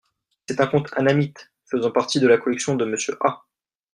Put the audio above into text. C'est un conte annamite, faisant partie de la collection de Monsieur A.